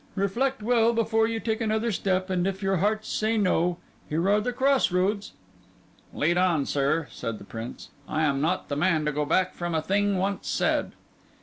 Reflect well before you take another step; and if your hearts say no—here are the cross roads." "Lead on, sir," said the Prince. "I am not the man to go back from a thing once said."